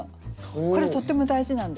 これとっても大事なんですよ。